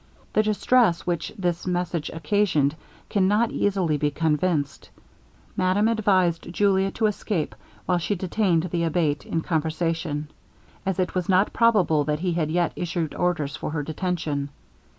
The distress which this message occasioned can not easily be conceived. Madame advised Julia to escape while she detained the Abate in conversation, as it was not probable that he had yet issued orders for her detention.